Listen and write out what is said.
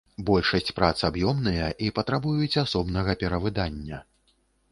Большасць прац аб'ёмныя і патрабуюць асобнага перавыдання.